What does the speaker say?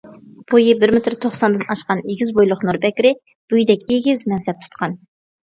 بويى بىر مېتىر توقساندىن ئاشقان ئېگىز بويلۇق نۇر بەكرى بويىدەك ئېگىز مەنسەپ تۇتقان.